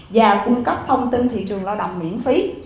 và cung cấp thông tin thị trường lao động miễn phí